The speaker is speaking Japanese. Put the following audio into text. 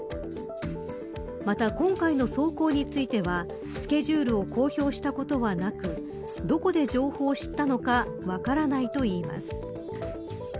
また今回の走行についてはスケジュールを公表したことはなくどこで情報を知ったのか分からないといいます。